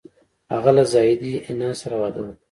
هغه له زاهدې حنا سره واده وکړ